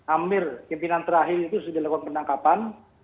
amir pimpinan terakhir itu sudah dilakukan penangkapan